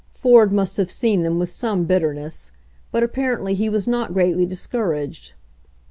Ford must have seen them with some bitterness, but ap parently he was not greatly discouraged.